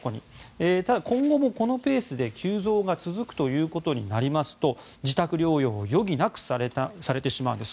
ただ今後もこのペースで急増が続くということになりますと自宅療養を余儀なくされてしまうんです。